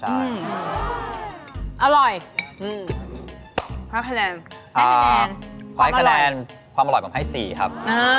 อืมข้าวให้คะแนนข้าวให้คะแนนความอร่อยผมให้๔ครับ